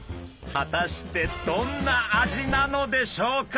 果たしてどんな味なのでしょうか。